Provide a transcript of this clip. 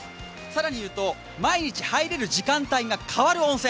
更に言うと、毎日入れる時間帯が変わる温泉。